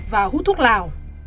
và hút thuốc lào